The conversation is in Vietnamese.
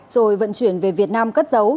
rồi vận chuyển về việt nam cất dấu